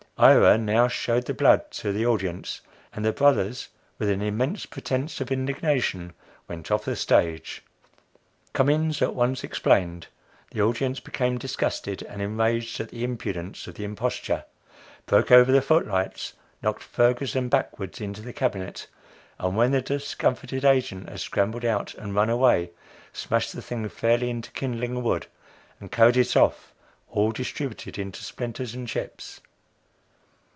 Ira now shewed the blood to the audience, and the Brothers, with an immense pretense of indignation, went off the stage. Cummins at once explained; the audience became disgusted, and, enraged at the impudence of the imposture, broke over the foot lights, knocked Ferguson backward into the "cabinet;" and when the discomfited agent had scrambled out and run away, smashed the thing fairly into kindling wood, and carried it off, all distributed into splinters and chips.